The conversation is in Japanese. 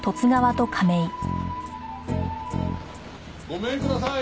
ごめんください。